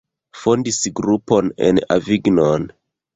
Fondis grupon en Avignon.